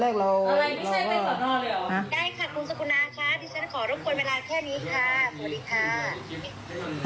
ฉันขอรบควรเวลาแค่นี้ค่ะสวัสดีค่ะ